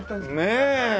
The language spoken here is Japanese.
ねえ。